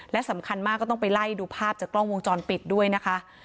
และสำคัญมากก็ต้องไปไล่ดูภาพจากกล้องวงจรปิดด้วยนะคะ